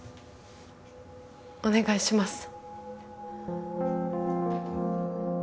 お願いします。